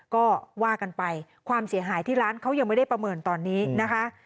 ก็ว่ากันไปความเสียหายที่ร้านเขายังไม่ได้ประเมินตอนนี้นะคะ